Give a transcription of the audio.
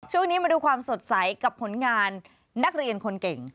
ช่วงนี้มาดูความสดใสกับผลงานนักเรียนคนเก่ง